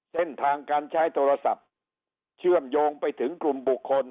เส้นทางการใช้โทรศัพท์เชื่อมโยงไปถึงกลุ่มบุคคล